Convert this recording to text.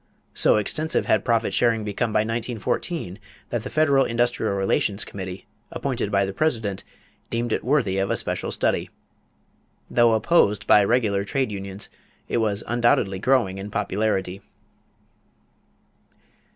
So extensive had profit sharing become by 1914 that the Federal Industrial Relations Committee, appointed by the President, deemed it worthy of a special study. Though opposed by regular trade unions, it was undoubtedly growing in popularity.